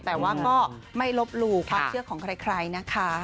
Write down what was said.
แต่ว่าก็ไม่ลบหลู่ความเชื่อของใครนะคะ